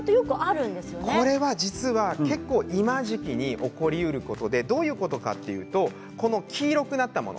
これは実は今の時期に起こりうることでどういうことかというと黄色くなったもの